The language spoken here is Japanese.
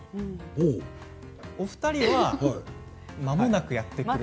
お二人はまもなくやってくる。